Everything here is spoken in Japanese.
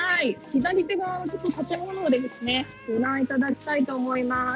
左手側の建物をご覧いただきたいと思います。